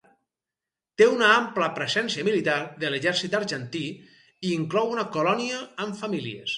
Té una ampla presència militar de l'exèrcit Argentí i inclou una colònia amb famílies.